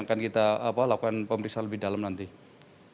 kalau melihat tingkat kearan apakah ada dugaan melebihi negara btso